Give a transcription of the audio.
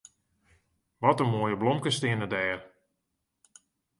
Wat in moaie blomkes steane dêr.